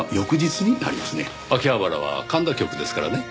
秋葉原は神田局ですからね。